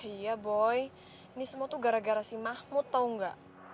iya boy ini semua tuh gara gara si mahmud tau gak